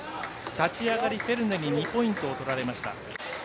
立ち上がり、フェルネに２ポイント、取られました。